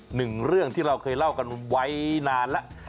หนึ่งเรื่องที่เราเคยเล่ากันไว้นานแล้ว